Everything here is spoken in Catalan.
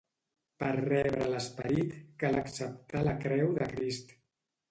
Per rebre l'Esperit cal acceptar la Creu de Crist.